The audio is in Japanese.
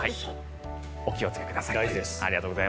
お気をつけください。